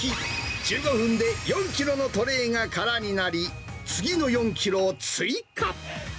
１５分で４キロのトレーが空になり、次の４キロを追加。